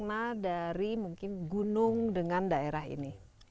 apa yang menarik dari mungkin gunung dengan daerah ini